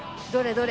どれ？